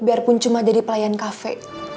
biarpun cuma jadi pelayan kafe